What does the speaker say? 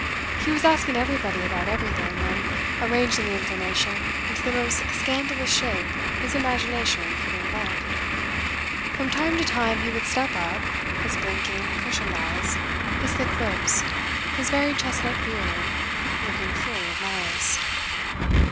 He was asking everybody about everything, and arranging the information into the most scandalous shape his imagination could invent. From time to time he would step up, his blinking, cushioned eyes, his thick lips, his very chestnut beard, looking full of malice.